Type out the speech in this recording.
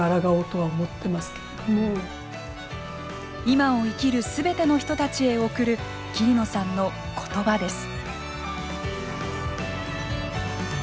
今を生きるすべての人たちへ送る桐野さんの言葉です。